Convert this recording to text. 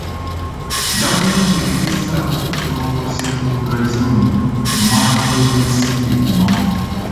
Gavumenti egezezzaako okulongoosa enguudo ezimu mu mwaka gw'ebyensimbi guno.